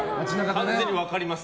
完全に分かります。